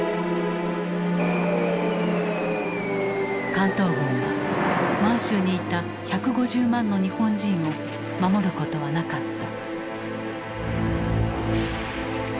関東軍は満州にいた１５０万の日本人を守ることはなかった。